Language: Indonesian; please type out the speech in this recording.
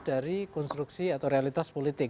dari konstruksi atau realitas politik